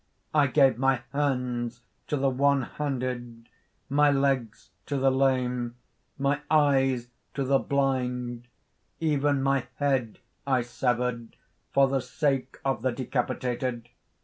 I gave my hands to the one handed, my legs to the lame, my eyes to the blind; even my head I severed for the sake of the decapitated.